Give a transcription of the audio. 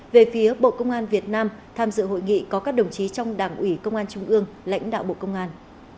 về phía bộ công an việt nam tham dự hội nghị có các đồng chí trong đảng ủy công an trung ương lãnh đạo bộ công an